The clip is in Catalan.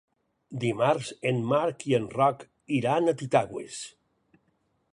Dimarts en Marc i en Roc iran a Titaigües.